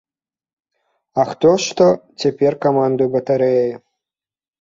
А хто ж то цяпер камандуе батарэяй?